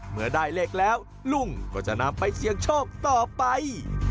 เมื่อได้เลขแล้วลุงก็จะนำไปเสี่ยงโชคต่อไป